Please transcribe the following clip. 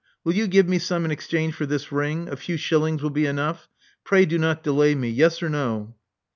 Will you give me some in exchange for this ring — a few shil lings will be enough? Pray do not delay me. Yes or no?'